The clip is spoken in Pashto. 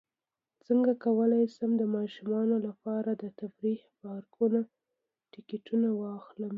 څنګه کولی شم د ماشومانو لپاره د تفریحي پارک ټکټونه واخلم